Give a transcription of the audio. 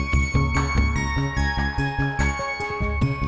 tasik tasik tasik